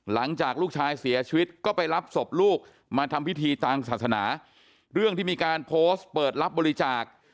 หลังจากลูกชายเสียชีวิตก็ไปรับศพลูกมาทำพิธีตามศาสนาเรื่องที่มีการโพสต์เปิดรับบริจาค